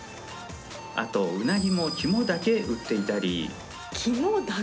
あとうなぎも肝だけ売っていたり。